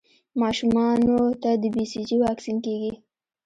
ماشومانو ته د بي سي جي واکسین کېږي.